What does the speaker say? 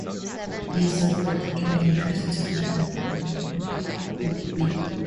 It is of particular interest to fans of freakbeat.